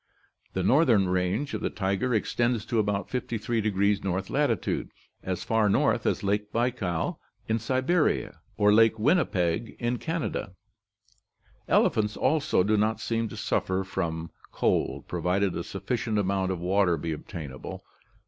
The northern range of the tiger extends to about 530 north latitude, as far north as Lake Baikal in Siberia or Lake Winnipeg in Canada (Heilprin). Elephants also do not seem to suffer from cold, provided a sufficient amount of water be obtainable.